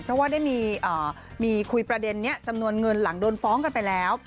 เพราะว่าได้มีคุยประเด็นนี้จำนวนเงินหลังโดนฟ้องกันไปแล้ว